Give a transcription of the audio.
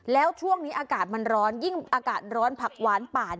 แล้วช่วงนี้อากาศมันร้อนยิ่งอากาศร้อนผักหวานป่า